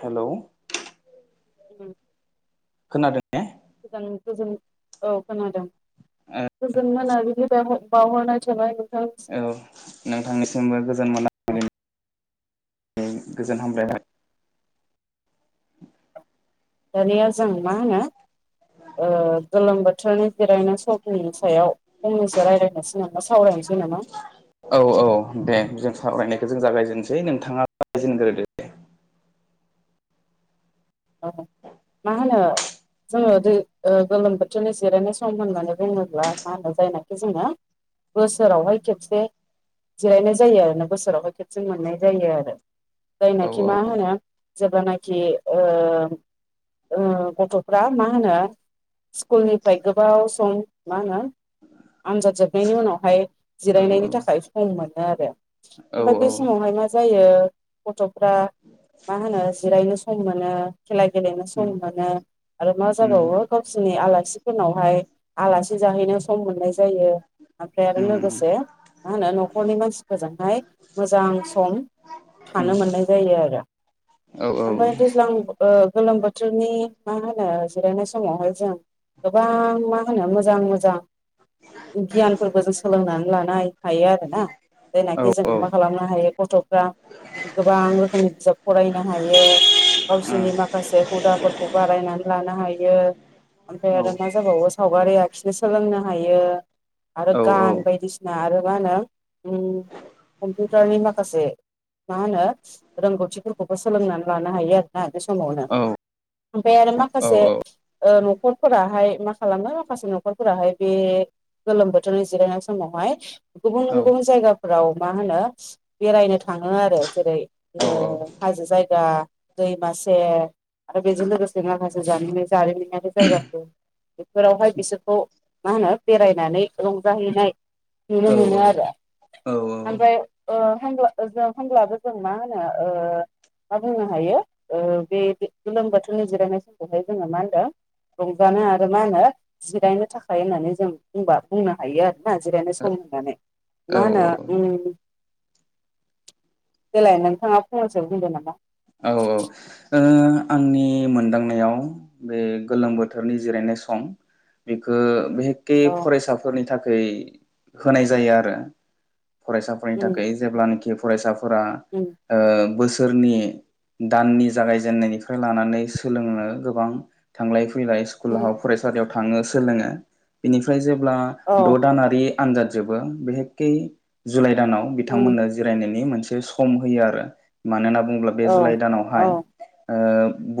Hello उम खोनादों ने? गो [unintelligible] गोजोन औ खोनादों गोजोन मोनाबिलि [unintelligible] [unintelligible] औ नोंथांनिसिमबो गोजोन मोननाय गोजोन हामलायबाय दानिया जों मा होनो गोलोम बोथोरनि जिरायनाय समनि सायाव फंनैसो रायजलायनोसै नामा सावरायनोसै नामा औ - औ दे जों सावराय जों जागायजेननोसै नोंथांङा रायलाजेग्रोदो औ मा होनो जोंङो दै गोलोम बोथोरनि जिरायनाय सम होननानै बुंङोब्ला मा होनो जायनाखि जोंङो बोसोरावहाय खेबसे जिरायनाय जायो आरोोना बोसोराव खेबसे मोननाय जायो आरो औ जायनाखि मा होनो जेब्लानाखि गथ'फ्रा मा होनो स्कुलनिफ्राय गोबाव सम मा होनो आनजाद जोबनायनि उनावहाय औ जिरायनायनि थाखाय सम मोनो आरो औ ओमफ्राय औ बे समावहाय मा जायो गथ'फ्रा मा होनो जिरायनो सम मोन मोनो खेला गेलेनो सम उम मोनो आरो मा उम जाबावो गावसिरनि आलासिफोरनावहाय आलासि जाहैनो सम मोननाय जायो ओमफ्राय आरो उम लोगोसे मा होनो न'खरनि मानसिफोरजोंहाय मोजां सम उम थानो मोननाय जायो आरो औ -औ ओमफ्राय दैज्लां गोलोम बोथोरनि मा होनो जिरायनाय समावहाय जों गोबां मा होनो मोजां मोजां गियानफोरबो जों सोलोंनानै लानो हायो आरोना जायनाखि जों औ मा खालामनो हायो गथ'फ्रा गोबां रोखोमनि बिजाब फरायनो हायो गावसोरनि औ माखासे हुदाफोरखौ बारायनानै लानो हायो ओमफ्राय आरो मा जाबावो सावगारि आखिनो सोलोंनो हायो आरो औ गान बायदिसिना आरो मा होनो कम्पिउटारनि माखासे मा होनो रोंगौथिफोरखौबो सोलोंनानै लानो हायो आरो दा बे समावनो ओमफ्राय आरो माखासे न'खरफोराहाय मा खालामो माखासे न'खरफोराहाय बे गोलोम बोथोरनि जिरायनाय समावहाय गुबुन गुबुन जायगा फोराव मा होनो बेरायनो थांङो आरो जेरै हाजो जायगा दैमासे आरो बेजों लोगोसे माखासे ज जारिमिन बे जायगाफोर बेफोरावहाय बिसोरखौ मा होनो बेरायनानै रंजाहैनाय नुनो मोननि आरो ओमफ्राय होनब्ला हब्लाबो जों मा होनो मा बुंनो हायो बे गोलोम बोथोरनि जिरायनाय समखौहाय जोंङो मा होनदों रंजानो आरो मा होनो जिरायनो थाखाय होननानै जों बुंबा बुंनो हायो आरोना जिरायनो सम मा औ औ होनो देलाय नोंथांङा फंनैसो होनदो नामा औ- औ आंनि मोनदांनायाव बे गोलोम बोथोरनि जिरायनाय सम बेखौ बे एके औ फरायसाफोरनि थाखाय होनाय जायो आरो फरायसाफोरनि उम थाखाय जेमज्ञब्लानाखि फरायसाफोरा उम बोसोर सोरनि दाननि जागायजेननायनिफ्राय लानानै सोलोंनो गोबां थांलाय फैलाय स्कुलाव उम फरायसालियाव थांङो सोलोंङो बेनिफ्राय जेब्ला औ द' दानारि आनजाद जबो बिहेकै जुलाइ दानाव उम बिथांमोननो जिरायनायनि मोनसे से होयो आरो मानो होनना बुंङोब्ला बे औ जुलाइ औ दानावहाय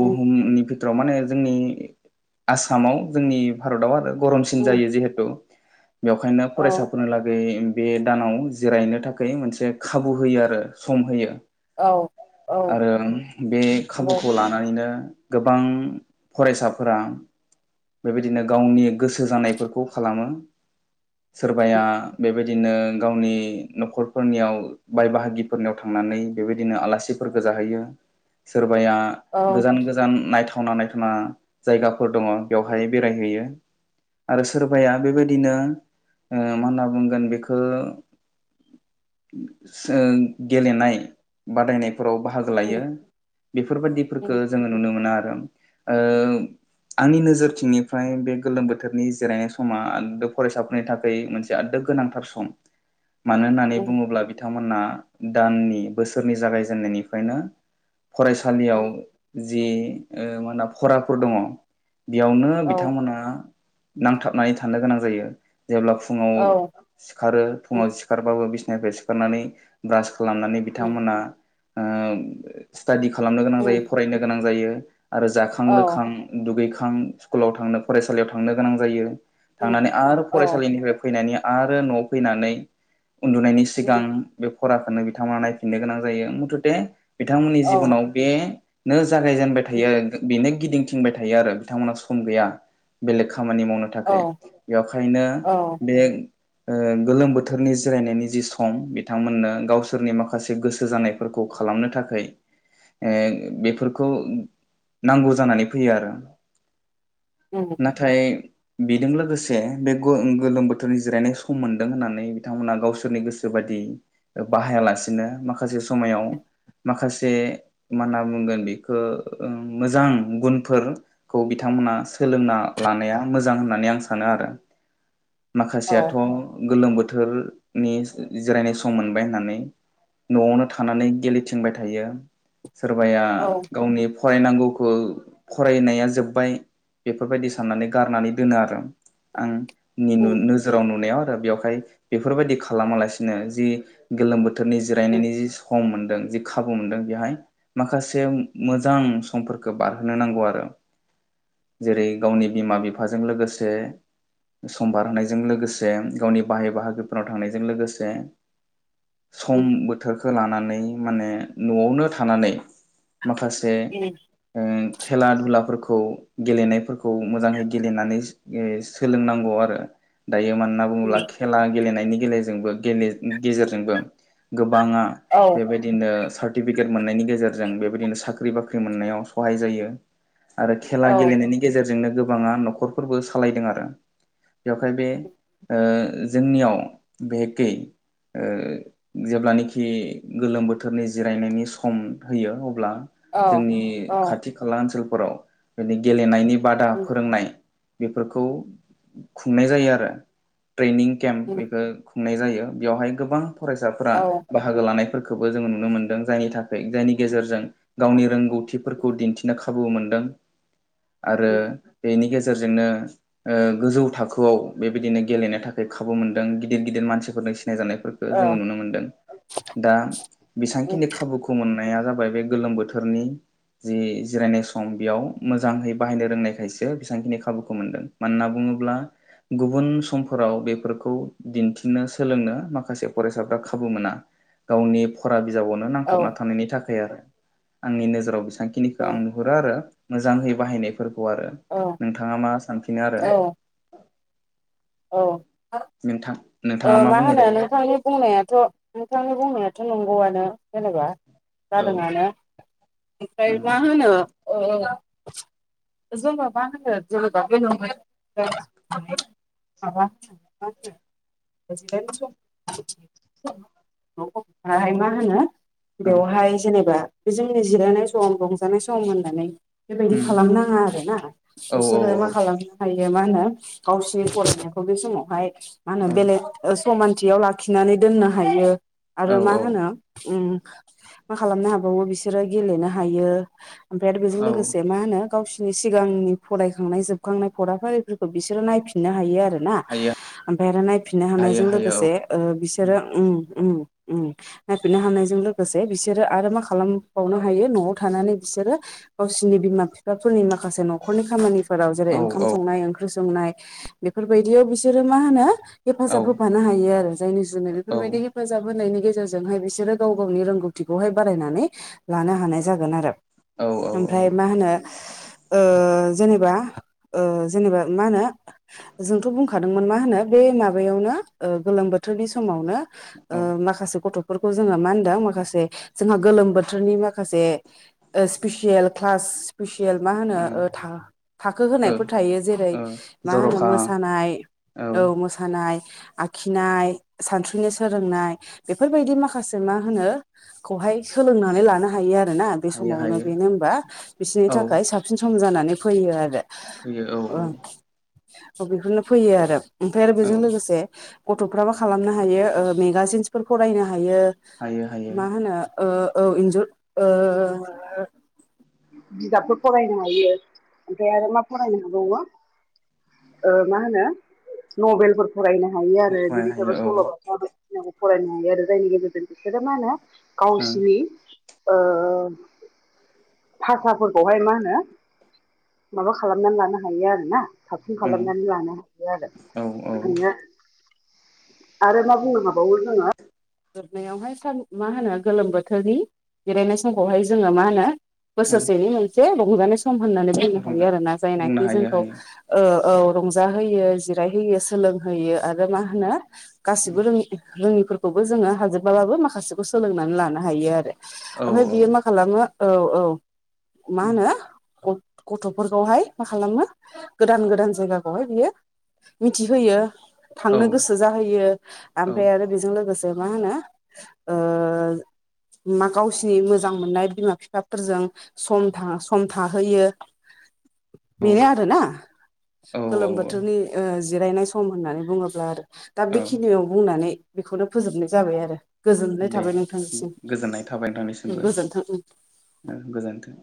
उम बिथोराव माने जोंनि आसामाव जोंनि भारताव आरो गरमसिन उम जायो जिहेतु बेवहायनो औ फरायसाफोरनिलागै बे दानाव जिरायनो थाखाय मोनसे खाबु होयो आरो सम होयो औ औ आरो बे नंगौ खाबुखौ लानानैनो गोबां फरायसाफोरा बेबायदिनो गावनि गोसो जानायफोरखौ खालामो सोरबाया उम बे बेबायदिनो गावनि न'खरफोरनियाव बाय बाहागिफोरनियाव थांनानै बेबायदिनो आलासिफोरखौ जाहैयो सोरबाया औ गोजान गोजान नायथावना नायथावना जायगाफोर दङ बेवहाय बेरायहैयो आरो उम सोरबाया बेबायदिनो मा होनना बुंगोन बेखौ गेलेनाय बादायनाय फोराव बाहागो लायो उम बेफोरबायाददिफोरखौ उम जोङो नुनो मोना आरो आंनि नोजोरथिंनिफ्राय बे गोलोम बोथोरनि जिरायनाय समा आदोब फरायसाफोरनि थाखाय मोनसे आदोब गोनांथार सम मानो होननानै उम बुङोब्ला बिथांमोन मोनादाननि बोसोरनि जागायजेननायनिफ्रायनो फरायसालियाव उम जि मा होनो फराफोर दङ बेयावनो औ बिथांमोना नांथाबनानै थानो गोनां जायो जेब्ला फुङाव औ सिखारो उम फुङाव सिखारबाबो बि फ्राय सिखारनानै ब्रास खालामनानै उम बिथांमोना स्टाडि खालामनो गोनां उम जायो फरायनो गोनां जायो आरो जाखां औ लोखां दुगै सकुलाव थांनो फरायसालियाव थांनो गोनां जायो उम थांनानै आरो औ फरायसालिनिफ्राय फैनानै आरो न'आव फैनानै उन्दुनायनि सिगां उम बे फराखौनो बिथांमोना नायफिननो गोनां जायो मुथथे बिथांमोननि औ जिबनाव बेनो जागायजेनबाय उम थायो बेनो गिदिंथिंबाय थायो आरो बिथांमोना सम गैया बेलेक खामानि मावनो औ थाखाय बेखायनो औ बे गोलोम बोथोरनि जिरायनायनि जि सम बिथांमोननो गावसोरनि माखासे गोसो जानायफोरखौ खौ खालामनो थाखाय बेफोरखौ नांगौ जानानै फैयो आरो उम नाथाय बेजों लोगोसे बे गोलोम बोथोरनि जिरायनाय सम मोनदों होननानै बिथांमोना गावसोरनि गोसो बायदि बाहायालासेनो माखासे समायाव माखासे मा होनना बुंगोन बेखौ मोजां गुनफोरखौ बिथांमोना सोलोंना लानाया मोजां होननानै आं सानो आरो [unintelligible] औ माखासेयाथ' गोलोम बोथोरनि जिरायनाय सम मोनबाय होननानै न'आवनो थानानै गेलेथिंबाय थायो सोरबाया औ गावनि फरायनांगौखौ फरायनाया जोब्बाय बेफोरबायदि साननानै गारनानै दोनो आरो आं नि उम नोजोराव नुनायाव आरो बेवहाय बेफोरबायदि खालामालासिनो जि गोलोम बोथोर बोथोरनि उम जिरायनायनि जि सम मोनदों जि खाबु मोनदों बेहाय माखासे मोजां समफोरखौ बारहोनो नांगौ आरो जेरै गावनि बिमा बिफाजों लोगोसे सम बारहायजों लोगोसे गावनि बाहाय बाहागोफोराव थांनायजों लोगोसे उम सम बोथोरखौ लानानै माने न'आवनो थानानै माखासे उम खेला दधुलाफोरखौ गेलेनायफोरखौ मोजाङै गेलेनानै सोलोंनांगौ आरो दायो माहोनना उम बुङोब्ला खेला गेलेनायनि गेजेरजोंबो गोबाङा औ बेबायदिनो सार्टिफिकेट मोननायनि गेजेरजों बेबायदिनो साख्रि बाख्रि मोननायाव सहाय जायो आरो खेला औ गेलेनायनि गेजेरजोंनो गोबाङा न'खरफोरबो सालायदों आरो बेवखाय बे जोंनियाव बेहेकै जेब्लानाखि गोलोम बोथोरनि जिरायनायनि सम होयो अब्ला औ जोंनि औ खाथि खाला ओनसोलफोराव बिदि गेलेनायनि बादा उम फोरोंनाय बेफोरखौ खुंनाय जायो आरो ट्रेनिं केम्प उम बेखो खुंनाय जायो बेवहाय गोबां फरायसाफोरा औ बाहागो लानाय फोरखोबो जोङो नुनो मोनदों जायनि थाखाय जायनि गेजेरजों गावनि उम रोंगौथिफोरखौ दिन्थिनो खाबु मोनदों आरो उम बेनि गेजेराव गेजेरजोंनो ओ गोजौ थाखोआव बेबायदिनो गेलेनो थाखाय खाबु मोन्दों गिदिर गिदिर मानसिफोरनि सि नाय जानायफोरखो औ जोङो नुनो मोनदों। दा बेसेबांखिनि उम खाबुखौ मोननाया जाबाय बाय बे गोलोम बोथोरनि जि जिरायनाय सम बियाव मोजाहै बाहायनो रोंनायखायसो बेसेबांखिनि खाबुखौ मोनदों। मानना बुङो ब्ला गुबुन समफोराव बेफोरखौ दिन्थिनो सोलोंनो माखासे फरायसाफ्रा खाबु मोना। गावनि फरा बिजाबावनो औ नांथाबना थानायनि थाखाय आरो आंनि नोजोराव बेसेबांखिनिखौ आं नुहुरो आरो। मोजाङै बाहायनायफोरखौ आरो नोंथाङा मा सानफिनो आरो औ औ नोंथां औ नोंथाङा मा बुङो होनो दायो नोंथांनि बुंनायाथ' नोंथांनि बुंनायाथ' नंगौआनो जेनेबा औ जादोंआनो ओमफ्राय औ मा होनो औ जोङो मा होनो [inaudible] [inaudible] [inaudible] हाय मा होनो औ बेवहाय जेनेबा बे जोंनि जिरायनाय सम रंजानाय सम होननानै बेबायदि खालाम नाङा आरो ना औ बिसोरो मा खालामनो हायो मा होनो गावसोर नि फरायनायखौ बे समावहाय मा होनो बेलेग समानथियाव लाखिनानै दोननो हायो औ आरो मा औ होनो उम मा खालामनो हाबावो बिसोरो गेलेनो हायो ओमफ्राय आरो बेजों औ लोगोसे मा होनो गावसिर नि सिगांनि फरायखांनाय जोबखांनाय फराफारिफोरखौ बिसोरो नायफिननो हायो आरो आरो ना हायो ओमफ्राय आरो नायफिननो हायो हानायजों हायो औ लोगोसे ओ बिसोरो उम उम उम नायफिननो हानायजों लोगोसे बिसोरो आरो मा खालामबावनो हायो न'आव थानानै बिस सोरो गावसिनि बिमा बिफाफोरनि मा खासे न'खरनि खामानिफोराव जेरै औ ओंखाम औ संनाय ओंख्रि संनाय बेफोर बायदियाव बिसोरो मा होनो औ हेफाजाब होफानो हायो आरो जायनि जुनै बेफोर औ बायदि हेफाजाब होनायनि गेजेरजों गेरजोंहाय बिसोरो गाव गावनि रोंगौथिखौहाय बारायनानै लानो हानाय जागोन आरो ओमफ्राय मा होनो ओ जेनेबा ओ जेनेबा मा होनो जोंथ' बुंखादोंमोन मा होनो बे माबायावनो गोलोम बोथोरनि समावनो ओ औ माखासे गथ' फोरखौ जोङो मा होनदों माखासे जोंहा गोलोम बोथोरनि माखासे स्पिसियेल क्लास स्पिसियेल मा होनो था-थाखो औ होनायफोर थायो जेरै औ मा होनो जर'खा मोसानाय औ मोसानाय आखिनाय, सानस्रिनो सोलोंनाय बेफोर बायदि माखासे मा होनो खौहाय सोलोंनानै लानो हायो आरोना बे हायो समावनो हायो बेनो होनबा बिसोरनि औ थाखाय साबसिन सम जानानै फैयो आरो फैयो औ औ औ बेफोरनो फैयो आरो ओमफ्राय आरो औ बेजों लोगोसे गथ'फ्राबो खालामनो हायो मेगाजिन्सफोर फरायनो हायो हायो हायो मा होनो ओ औ इन्जुर ओ बिजाबफोर फरायनो हायो ओमफ्राय आरो मा फरायनो हाबावो मा होनो नभेलफोरखौ फरायनो हायो आरो फरायनो हायो बिनिफ्रायबो औ सल' बाथ' बायदिसिनाखौ फरायनो हायो आरो जायनि गेजेरजों बिसोरो मा होनो गावसिनि ओ फाखाफोरखौहाय मा होनो माबा खालामनानै लानो हायो आरोना साबसिन खालामनानै लानो हायो आरो [unintelligible] औ औ आरो मा बुंनो हाबावो जोङो जोबनायावहाय सान मा होनो गोलोम बोथोरनि जिरायनाय समखौहाय जोङो मा होनो औ बोसोरसेनि मोनसे रंजानाय सम होननानै बुंनो रंजा हायो आरोना बुंनो जायनाखि हायो जोंखौ हायो ओ औ रंजा होयो जिरायहोयो सोलोंहोयो आरो मा होनो गासिबो रों रोङिफोरखौबो जोङो हाजोबाबाबो माखासेखौ सोलोंनानै लानो हायो आरो औ ओमफ्राय बियो मा खालामो औ औ मा होनो गथ'फोरखौहाय मा खालामो गोदान गोदान जायगाखौहाय बियो मिथिहोयो औ थांनो गोसो जाहोयो ओमफ्राय आरो बेजों लोगोसे से मा होनो ओ मा गावसिनि मोजां मोननाय बिमा बिफाफोरजों सम था सम थाहोयो औ बेनो आरो ना औ औ गोलोम बोथोरनि ओ जिरायनाय सम होननानै बुङोब्ला आरो दा औ बेखिनियाव बुंनानै बेखौनो फोजोबनाय जाबाय आरो गोजोननाय दे थाबाय नोंथांनिसिम गोजोनथों ओं ओं गोजोन्थों